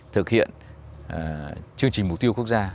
thực hiện chương trình mục tiêu quốc gia